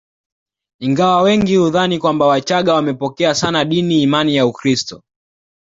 Ingawa wengi hudhani kwamba wachaga wamepokea sana dini imani ya Ukristo